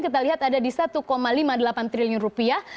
kita lihat ada di satu lima puluh delapan triliun rupiah